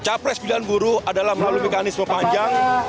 capres pilihan buruh adalah melalui mekanisme panjang